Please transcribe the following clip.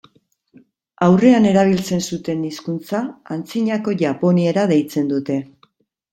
Aurrean erabiltzen zuten hizkuntza Antzinako japoniera deitzen dute.